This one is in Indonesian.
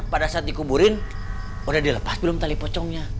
pada saat dikuburin udah dilepas belum tali pocongnya